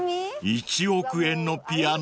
［１億円のピアノ